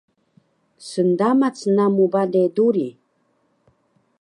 Sndamac namu bale duri